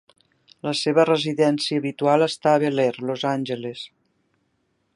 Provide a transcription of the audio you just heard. La seva residència habitual està a Bel Air, Los Angeles.